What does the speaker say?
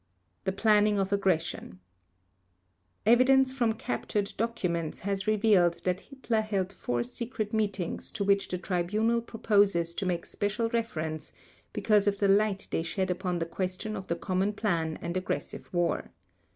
The Planning of Aggression Evidence from captured documents has revealed that Hitler held four secret meetings to which the Tribunal proposes to make special reference because of the light they shed upon the question of the common plan and aggressive war.